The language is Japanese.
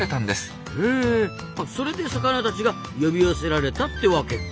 あそれで魚たちが呼び寄せられたってワケか。